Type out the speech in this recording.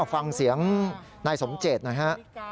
ฟังเสียงนายสมเจตหน่อยฮะ